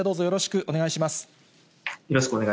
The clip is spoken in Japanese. よろしくお願いします。